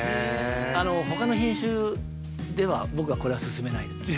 ほかの品種では僕は、これは勧めない